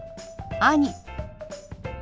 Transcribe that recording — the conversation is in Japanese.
「兄」。